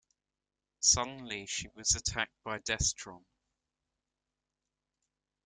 Suddenly, she was attacked by Destron.